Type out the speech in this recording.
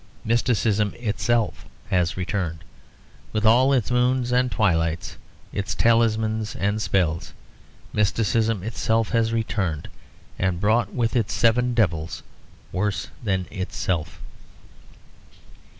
Mysticism itself has returned, with all its moons and twilights, its talismans and spells. Mysticism itself has returned, and brought with it seven devils worse than itself.